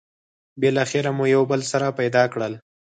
بالاخره مو یو بل سره پيدا کړل.